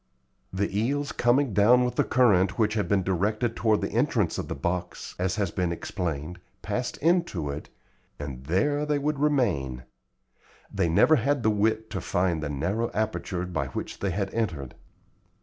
The eels coming down with the current which had been directed toward the entrance of the box, as has been explained, passed into it, and there they would remain. They never had the wit to find the narrow aperture by which they had entered.